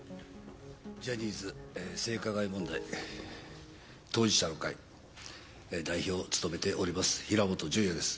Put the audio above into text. ジャニーズ性加害問題当事者の会代表を務めております平本淳也です。